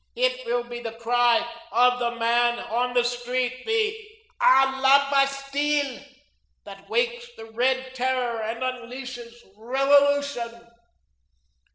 It will be the cry of the man on the street, the 'a la Bastille' that wakes the Red Terror and unleashes Revolution.